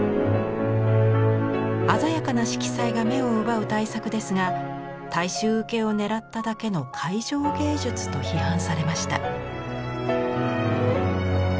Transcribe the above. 鮮やかな色彩が目を奪う大作ですが大衆受けを狙っただけの「会場芸術」と批判されました。